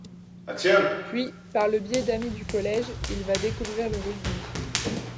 Puis, par le biais d’amis du collège, il va découvrir le rugby.